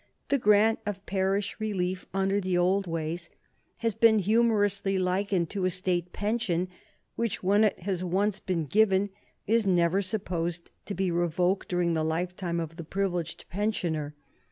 The grant of parish relief under the old ways has been humorously likened to a State pension, which, when it has once been given, is never supposed to be revoked during the lifetime of the privileged pensioner.